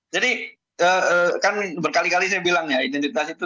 jadi kan berkali kali saya bilang ya identitas itu